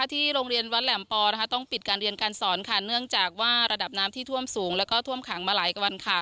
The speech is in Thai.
โท๊ะนักเรียนคร่อนข้างที่จะได้รับความเสียหายครับ